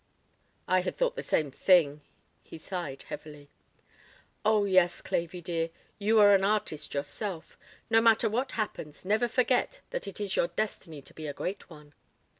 "I had thought the same thing." He sighed heavily. "Oh, yes, Clavey dear, you are an artist yourself. No matter what happens never forget that it is your destiny to be a great one."